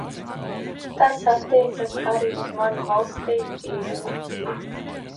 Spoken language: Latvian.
Tas attiecas arī uz manu valsti Īriju.